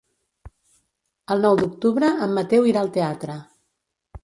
El nou d'octubre en Mateu irà al teatre.